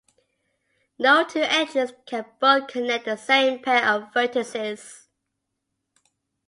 No two edges can both connect the same pair of vertices.